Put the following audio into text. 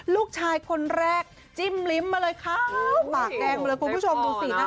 ลูกชายคนแรกจิ้มลิ้มมาเลยครับปากแดงมาเลยคุณผู้ชมดูสินะคะ